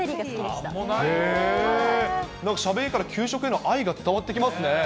しゃべりから、給食への愛が伝わってきますね。